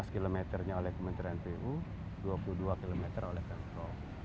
sebelas km nya oleh kementerian pu dua puluh dua km oleh kontrol